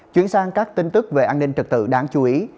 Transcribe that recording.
chuyển sang các tin tức về an ninh trật tự đáng chú ý